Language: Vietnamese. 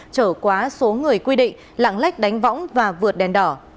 trở quá số người quy định lạng lách đánh võng và vượt đèn đỏ